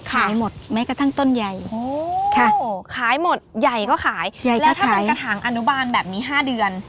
หมดแม้กระทั่งต้นใหญ่ขายหมดใหญ่ก็ขายใหญ่แล้วถ้าเป็นกระถางอนุบาลแบบนี้๕เดือน